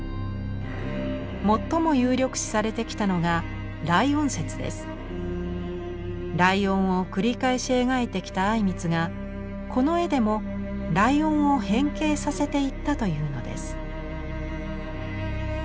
最も有力視されてきたのがライオンを繰り返し描いてきた靉光がこの絵でもライオンを変形させていったというのです。